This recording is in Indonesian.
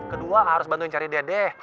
kedua harus bantuin cari dedeh